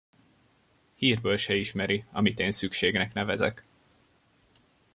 Hírből se ismeri, amit én szükségnek nevezek.